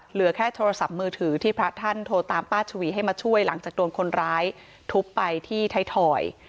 เหลือแค่โทรศัพท์มือถือที่พระท่านโทรตามป้าชวีให้มาช่วยหลังจากโดนคนร้ายทุบไปที่ไทยถอย